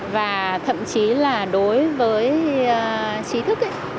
và thậm chí là đối với trí thức